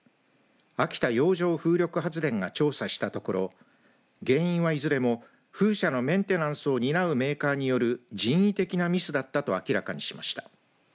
秋田洋上風力発電が調査したところ原因はいずれも風車のメンテナンスを担うメーカーによる人為的なミスだったと明らかにしました。